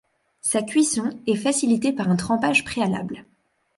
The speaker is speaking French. Sa cuisson est facilitée par un trempage préalable.